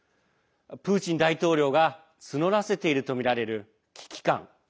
プーチン大統領が募らせているとみられる危機感。